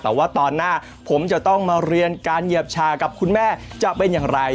แต่ว่าตอนหน้าผมจะต้องมาเรียนการเหยียบชากับคุณแม่จะเป็นอย่างไร